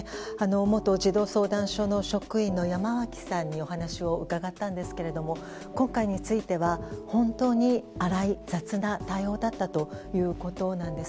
元児童相談所の職員の山脇さんにお話を伺ったんですが今回については、本当に粗い雑な対応だったということなんです。